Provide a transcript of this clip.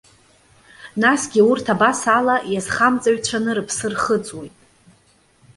Насгьы урҭ абас ала иазхамҵаҩцәаны рыԥсы рхыҵуеит.